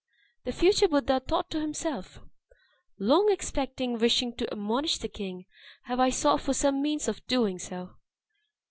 The future Buddha thought to himself, "Long expecting, wishing to admonish the king, have I sought for some means of doing so.